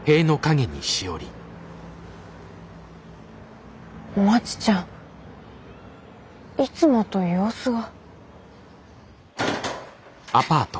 心の声まちちゃんいつもと様子が。